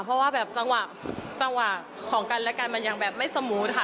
เพราะว่าแบบจังหวะจังหวะของกันและกันมันยังแบบไม่สมูทค่ะ